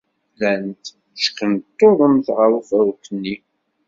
Llant tteckunṭuḍent ɣer ufurk-nni.